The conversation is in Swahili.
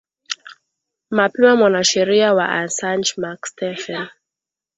mapema mwanasheria wa asanch mark stephen